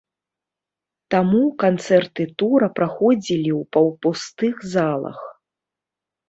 Таму канцэрты тура праходзілі ў паўпустых залах.